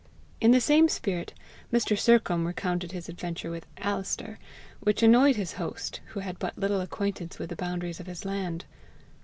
In the same spirit Mr. Sercombe recounted his adventure with Alister, which annoyed his host, who had but little acquaintance with the boundaries of his land.